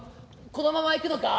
このまま行くのか？